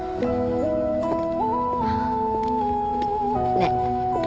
ねえ。